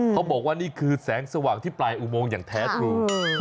เขาบอกว่านี่คือแสงสว่างที่ปลายอุโมงอย่างแท้ครู